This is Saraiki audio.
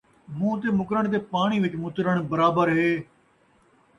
مون٘ہہ تے مُکرݨ تے پاݨی وِچ مُترݨ برابر ہے